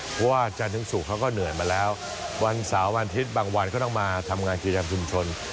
เพราะว่าจันทร์ถึงศุกร์เขาก็เหนื่อยมาแล้ววันเสาร์วันอาทิตย์บางวันก็ต้องมาทำงานกิจกรรมชุมชน